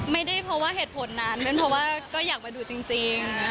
ไม่ได้เพราะว่าเหตุผลนั้นเป็นเพราะว่าก็อยากมาดูจริง